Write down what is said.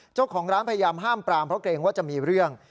เจ้าของร้านพยายามห้ามปรามเพราะเกรงว่าจะมีเรื่อง